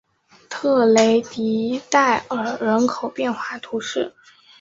特雷迪代尔人口变化图示